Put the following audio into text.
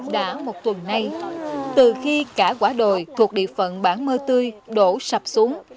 đã một tuần nay từ khi cả quả đồi thuộc địa phận bản mơ tươi đổ sập xuống